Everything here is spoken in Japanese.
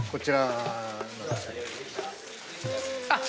あっ！